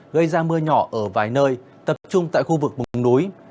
gây ra mưa nhỏ ở vài nơi tập trung tại khu vực vùng núi